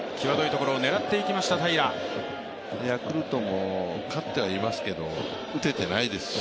ヤクルトも勝ってはいますが打てていないですし。